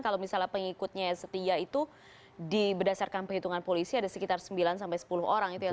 kalau misalnya pengikutnya yang setia itu di berdasarkan penghitungan polisi ada sekitar sembilan sampai sepuluh orang